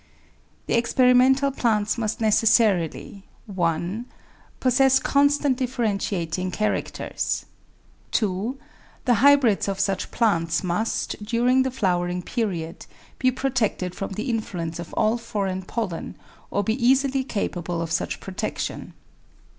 The experimental plants must necessarily — 1. Possess constant differentiating characters. 2. The hybrids of such plants must, during the flowering period, be protected from the influence of all foreign pollen, or be easily capable of such protection.